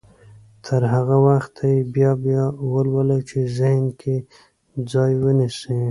تر هغه وخته يې بيا بيا يې ولولئ چې ذهن کې ځای ونيسي.